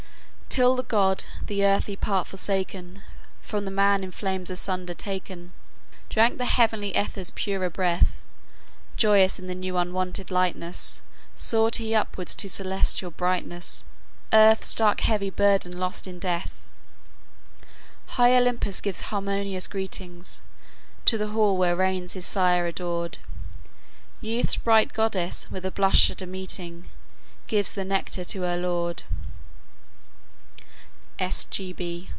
"Till the god, the earthly part forsaken, From the man in flames asunder taken, Drank the heavenly ether's purer breath. Joyous in the new unwonted lightness, Soared he upwards to celestial brightness, Earth's dark heavy burden lost in death. High Olympus gives harmonious greeting To the hall where reigns his sire adored; Youth's bright goddess, with a blush at meeting, Gives the nectar to her lord."